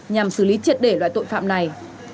nhằm xử lý triệt để loại tội phạm này